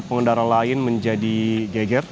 pengendara lain menjadi geger